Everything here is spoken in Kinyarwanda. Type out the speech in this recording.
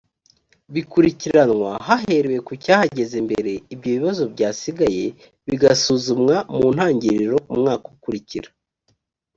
bikurikiranwa haherewe ku cyahageze mbere ibyo bibazo byasigaye bigasuzumwa mu ntangiriro umwaka ukurikira